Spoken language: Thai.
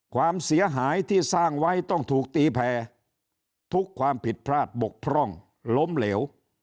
ความเสียหายที่สร้างไว้ต้องถูกตีแผ่ทุกความผิดพลาดบกพร่องล้มเหลว